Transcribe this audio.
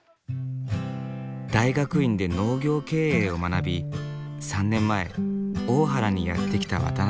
大学院で農業経営を学び３年前大原にやって来た渡辺さん。